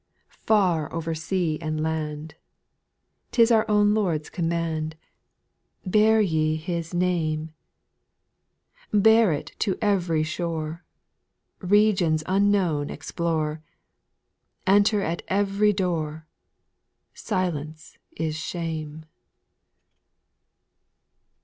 2, Far over sea and land, ' T is our own Lord's command, Bear ye His name \ m SPIRITUAL SONGS. Bear it to ev'rj shore, Regions unknown explore, Enter at every door : Silence is shame.